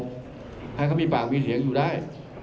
ใครก็มีปากมีเสียงอยู่ได้